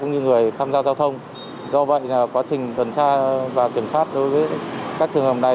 để tham gia giao thông do vậy là quá trình tuần tra và kiểm tra đối với các trường hợp này